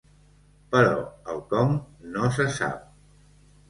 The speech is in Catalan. Però el com no se sap.